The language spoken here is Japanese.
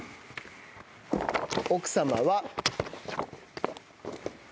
奥様は。